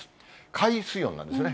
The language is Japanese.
海水温なんですね。